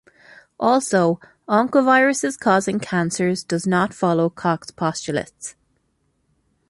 Also Oncoviruses causing cancers does not follow Koch's postulates.